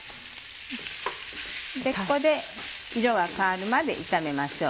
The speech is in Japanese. ここで色が変わるまで炒めましょう。